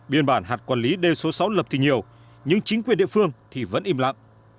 biên bản hạt quản lý đê số sáu lập thì nhiều nhưng chính quyền địa phương thì vẫn im lặng